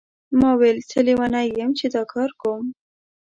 ما ویل څه لیونی یم چې دا کار کوم.